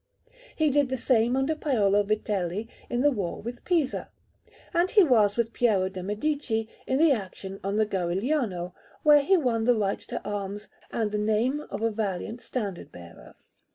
He did the same under Paolo Vitelli in the war with Pisa; and he was with Piero de' Medici at the action on the Garigliano, where he won the right to arms, and the name of a valiant standard bearer.